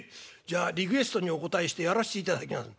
じゃあリクエストにお応えしてやらしていただきます。